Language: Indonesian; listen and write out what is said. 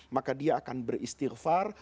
maka dia akan beristighfar